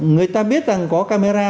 người ta biết rằng có camera